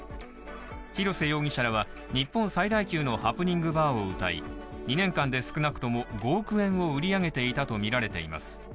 広瀬容疑者らは、日本最大級のハプニングバーをうたい２年間で少なくとも５億円を売り上げていたとみられています。